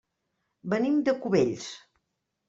Venim de Cubells.